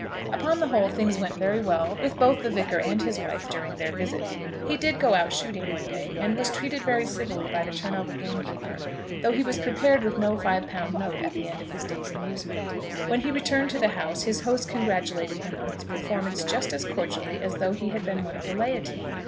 Upon the whole, things went very well with both the Vicar and his wife during their visit. He did go out shooting one day, and was treated very civilly by the Turnover gamekeeper, though he was prepared with no five pound note at the end of his day's amusement. When he returned to the house, his host congratulated him on his performance just as cordially as though he had been one of the laity.